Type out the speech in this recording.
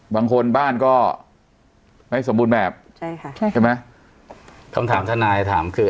บางคนบ้านก็ไม่สมบูรณ์แบบใช่ค่ะใช่ใช่ไหมคำถามทนายถามคือ